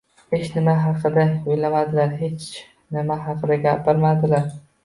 Hech nima haqida oʻylamadilar, hech nima haqida gapirmadilar.